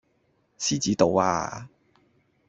獅子度呀